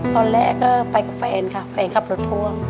ตอนแรกก็ไปกับแฟนค่ะแฟนขับรถพ่วง